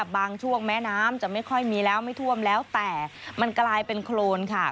บางช่วงแม้น้ำจะไม่ค่อยมีแล้วไม่ท่วมแล้วแต่มันกลายเป็นโครนค่ะ